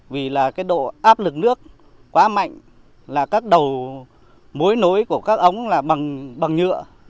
vì là cái độ áp lực nước quá mạnh là các đầu mối nối của các ống là bằng nhựa